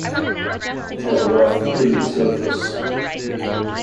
It has a rough hilly surface.